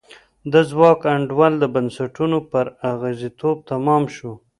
د ځواک انډول د بنسټونو پر اغېزمنتوب تمام شو.